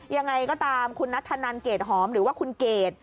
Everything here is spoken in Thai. ยังไงก็ตามคุณนัทธนันเกรดหอมหรือว่าคุณเกด